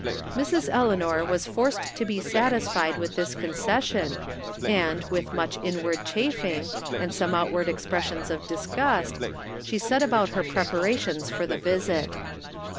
Mrs. Eleanor was forced to be satisfied with this concession, and, with much inward chafing, and some outward expressions of disgust, she set about her preparations for the visit.